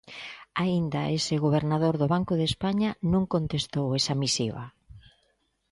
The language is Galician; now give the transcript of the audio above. Aínda ese gobernador do Banco de España non contestou esa misiva.